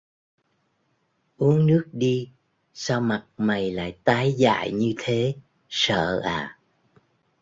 Uống nước đi sao mặt mày lại tái dại như thế Sợ à